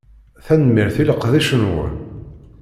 Tanemmirt i leqdic-nwen.